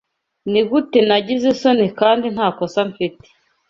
Nigute nagize isoni kandi ntakosa mfite